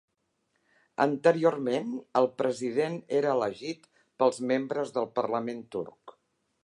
Anteriorment, el president era elegit pels membres del Parlament turc.